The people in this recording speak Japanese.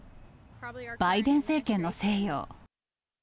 バイデン政権のせいよ。